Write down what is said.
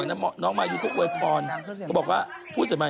กระเทยเก่งกว่าเออแสดงความเป็นเจ้าข้าว